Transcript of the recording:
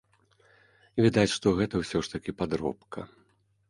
Відаць, што гэта ўсё ж такі падробка.